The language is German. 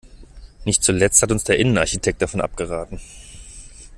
Nicht zuletzt hat uns der Innenarchitekt davon abgeraten.